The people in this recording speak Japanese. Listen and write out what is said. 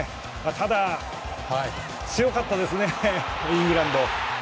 ただ強かったです、イングランド。